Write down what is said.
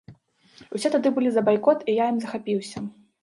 Усе тады былі за байкот, і я ім захапіўся.